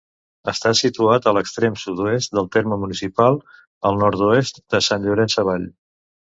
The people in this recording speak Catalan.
Està situat a l'extrem sud-oest del terme municipal, al nord-oest de Sant Llorenç Savall.